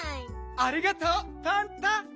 ありがとうパンタ！